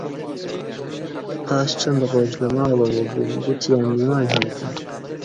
پاش چەند ڕۆژ لە ماڵەوە بووم، گوتیان میوان هاتن